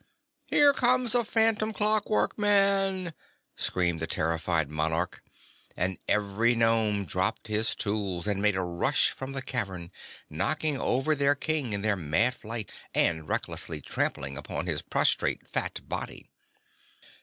Here comes a phantom clockwork man!" screamed the terrified monarch, and every Nome dropped his tools and made a rush from the cavern, knocking over their King in their mad flight and recklessly trampling upon his prostrate fat body.